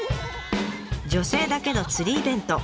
女性だけの釣りイベント。